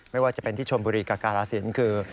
ไม่ว่าจะเป็นที่ชนบุรีกับการาศิลป์คือ